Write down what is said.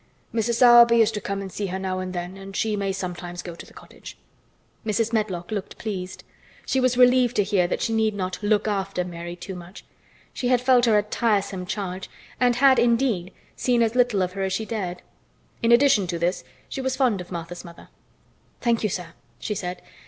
Mrs. Sowerby is to come and see her now and then and she may sometimes go to the cottage." Mrs. Medlock looked pleased. She was relieved to hear that she need not "look after" Mary too much. She had felt her a tiresome charge and had indeed seen as little of her as she dared. In addition to this she was fond of Martha's mother. "Thank you, sir," she said.